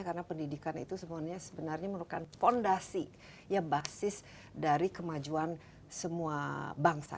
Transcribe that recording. karena pendidikan itu sebenarnya melakukan fondasi ya basis dari kemajuan semua bangsa